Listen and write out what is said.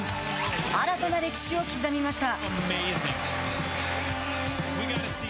新たな歴史を刻みました。